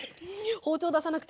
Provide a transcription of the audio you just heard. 包丁出さなくていい！